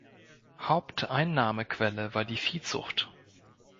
Haupteinnahmequelle war die Viehzucht.